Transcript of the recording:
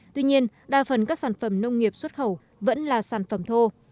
tuy nhiên đa phần các sản phẩm nông nghiệp xuất khẩu vẫn là sản phẩm thô